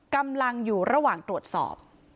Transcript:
กำลังอยู่ระหว่างตรวจสอบ